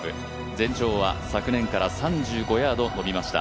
全長は昨年から３５ヤード伸びました。